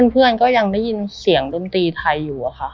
ก็ยังได้ยินเสียงดนตรีไทยอยู่อะค่ะ